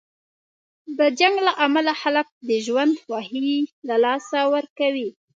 د جنګ له امله خلک د ژوند خوښۍ له لاسه ورکوي.